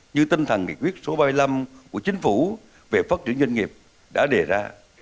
như tinh thần nghị quyết số ba mươi năm của chính phủ về phát triển doanh nghiệp đã đề ra